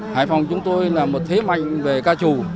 hải phòng chúng tôi là một thế mạnh về ca trù